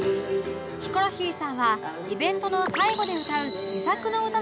ヒコロヒーさんはイベントの最後で歌う自作の歌のリハーサル